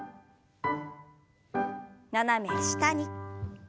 斜め下に。